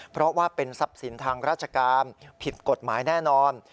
เพราะว่าเป็นทรัพย์สินทางราชการผิดกฎหมายแน่นอน